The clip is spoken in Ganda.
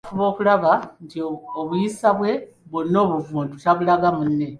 Wano buli omu afuba okulaba nti obuyisa bwe bwonna obuvundu tabulaga munne.